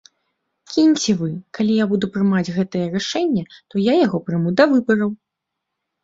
Кіньце вы, калі я буду прымаць гэтае рашэнне, то я яго прыму да выбараў.